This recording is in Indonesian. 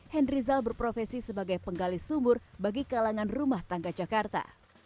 henry zal berprofesi sebagai penggali sumur bagi kalangan rumah tangga jakarta